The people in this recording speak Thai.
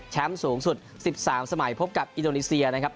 สูงสุด๑๓สมัยพบกับอินโดนีเซียนะครับ